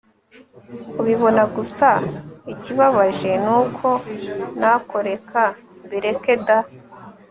ubibona gusa ikibabaje nuko… Nako reka mbireke da